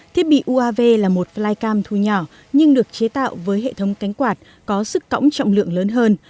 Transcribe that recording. thiết bị uav là một flycam thu nhỏ nhưng được chế tạo với hệ thống cánh quạt có sức cổng trọng lượng lớn hơn